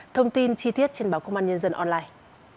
thông tin chi tiết trên báo công an nhân dân online